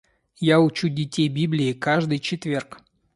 Я учу детей Библии каждый четверг.